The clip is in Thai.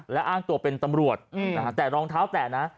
และอ้างตัวเป็นตำรวจแต่รองเท้าแตะนะ